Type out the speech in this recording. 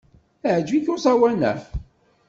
Yeɛjeb-ik uẓawan-a?